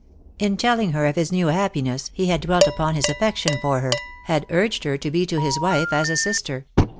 In telling her of his new happiness he had dwelt upon his affection for her, had urged her to be to his wife as a sister.